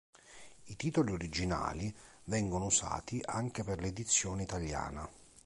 I titoli originali vengono usati anche per l'edizione italiana.